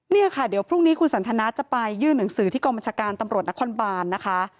เนี่ยค่ะเดี๋ยวพรุ่งนี้คุณสันทนาจะไปยื่นหนังสือที่กองบัญชาการตำรวจนครบานนะคะ